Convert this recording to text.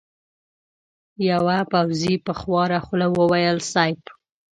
يوه پوځي په خواره خوله وويل: صېب!